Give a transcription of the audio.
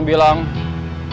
kamu sudah punya pasangan